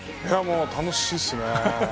楽しいですね。